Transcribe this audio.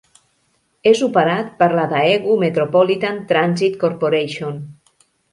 És operat per la Daegu Metropolitan Transit Corporation.